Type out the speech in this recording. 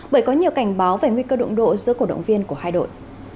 bởi có nhiều cảnh báo về nguy cơ đụng độ giữa cổ động viên của hai đội